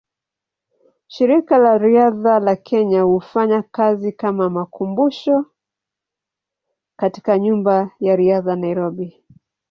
Shirika la Riadha la Kenya hufanya kazi kama makumbusho katika Nyumba ya Riadha, Nairobi.